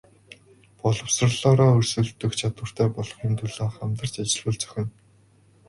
Боловсролоороо өрсөлдөх чадвартай болгохын төлөө хамтран ажиллавал зохино.